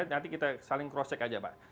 nanti kita saling cross check aja pak